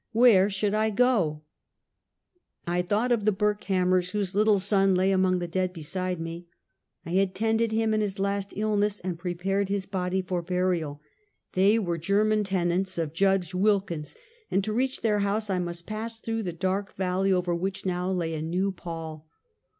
Where should I go ? I thought of the Burkhammers, whose little son lay among the dead beside me. I had tended him in his last illness and prepared his body for burial. They were German tenants of Judge Wilkins, and to reach their house I must pass through the dark valley over which now lay a new pall.